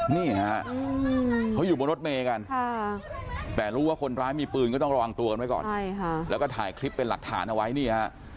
นี่ฮะเขาอยู่บนรถเมตรกันว่าผู้ร้ายมีปืนก็ต้องระวังตัวไว้ก่อนแล้วก็ถ่ายคลิปเป็นหลักฐานเอาไว้